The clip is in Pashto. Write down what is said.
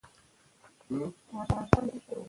که خوښي وي نو رنګ نه مړاوی کیږي.